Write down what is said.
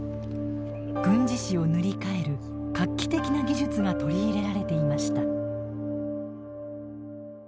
軍事史を塗り替える画期的な技術が取り入れられていました。